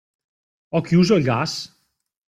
Ho chiuso il gas?